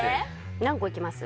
何個いきます？